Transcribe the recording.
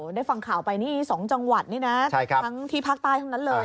โอ้โหได้ฟังข่าวไปนี่๒จังหวัดนี่นะทั้งธีพักตายคำนั้นเลย